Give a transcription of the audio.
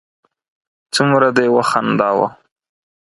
څومره دې و خنداوه